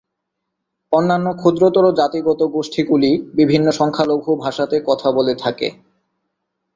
অন্যান্য ক্ষুদ্রতর জাতিগত গোষ্ঠীগুলি বিভিন্ন সংখ্যালঘু ভাষাতে কথা বলে থাকে।